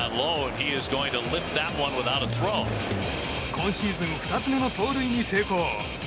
今シーズン２つ目の盗塁に成功。